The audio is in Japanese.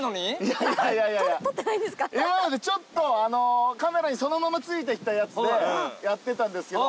今までカメラにそのまま付いてきたやつでやってたんですけど。